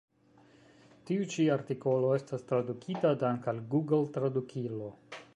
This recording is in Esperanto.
Tiu ĉi artikolo estas tradukita dank' al Google-Tradukilo.